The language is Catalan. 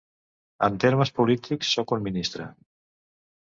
’En termes polítics sóc un ministre.